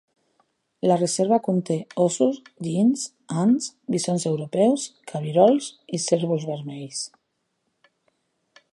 La reserva conté óssos, linxs, ants, bisons europeus, cabirols i cérvols vermells.